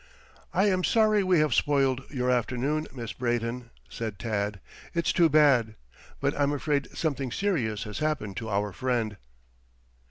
"I am sorry we have spoiled your afternoon, Miss Brayton," said Tad. "It's too bad. But I'm afraid something serious has happened to our friend."